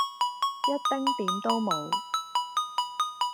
一丁點都無